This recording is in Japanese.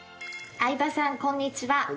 相葉さんこんにちは。